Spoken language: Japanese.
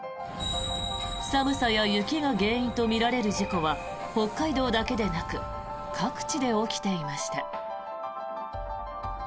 寒さや雪が原因とみられる事故は北海道だけでなく各地で起きていました。